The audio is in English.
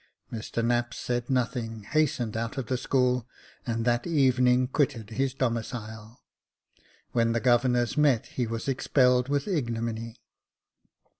Mr Knapps said nothing, hastened out of the school, and that evening quitted his domicile. "When the Governors met he was expelled with ignominy.